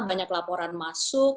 banyak laporan masuk